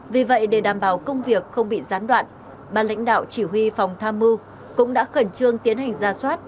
vì vậy để đảm bảo công việc không bị gián đoạn bà lãnh đạo chỉ huy phòng tham mưu cũng đã khẩn trương tiến hành ra soát